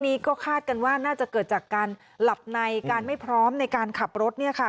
นี้ก็คาดกันว่าน่าจะเกิดจากการหลับในการไม่พร้อมในการขับรถเนี่ยค่ะ